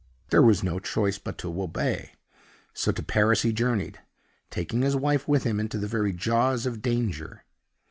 There was no choice but to obey. So to Paris he journeyed, taking his wife with him into the very jaws of danger.